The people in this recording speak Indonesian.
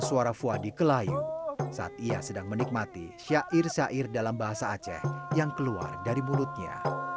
suara fuadi kelayu saat ia sedang menikmati syair syair dalam bahasa aceh yang keluar dari mulutnya